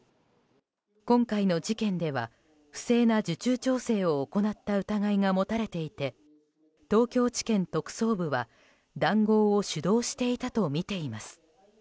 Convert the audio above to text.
今回の事件では不正な受注調整を行った疑いが持たれていて東京地検特捜部は談合を主導していたとみています。